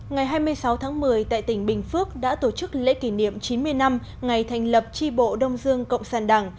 ngày hai mươi sáu tháng một mươi tại tỉnh bình phước đã tổ chức lễ kỷ niệm chín mươi năm ngày thành lập tri bộ đông dương cộng sản đảng